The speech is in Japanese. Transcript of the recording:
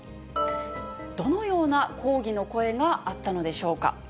どのような抗議の声があったのでしょうか。